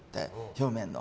表面の。